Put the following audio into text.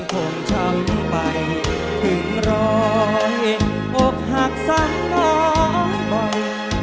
ปล่อยให้ตรงกุราธิ์